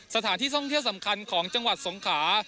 สถานที่ท่องเที่ยวสำคัญของจังหวัดสงขา